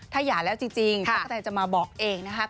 ถ้าหย่าแล้วจริงตั๊กกะแนนจะมาบอกเองนะครับ